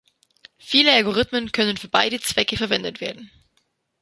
Viele Algorithmen können für beide Zwecke verwendet werden.